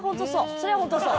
それは本当そう！